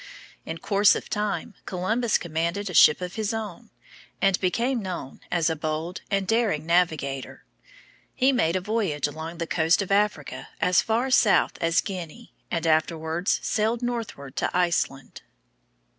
In course of time Columbus commanded a ship of his own, and became known as a bold and daring navigator. He made a voyage along the coast of Africa as far south as Guinea, and afterwards sailed northward to Iceland.